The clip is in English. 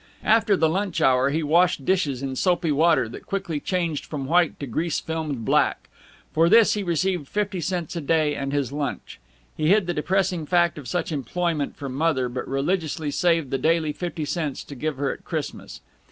After the lunch hour he washed dishes in soapy water that quickly changed from white to grease filmed black. For this he received fifty cents a day and his lunch. He hid the depressing fact of such employment from Mother, but religiously saved the daily fifty cents to give to her at Christmas.